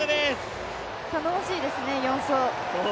頼もしいですね、４走。